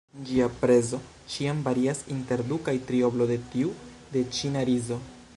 Ĝia prezo ĉiam varias inter du- kaj trioblo de tiu de ĉina rizo.